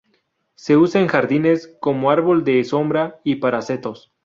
Se usa en jardines, como árbol de sombra y para setos.